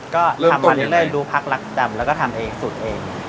ก็ทำมาเรื่อยดูพักรักจำแล้วก็ทำเองสูตรเอง